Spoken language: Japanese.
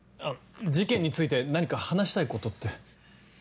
事件について何か話したいことって？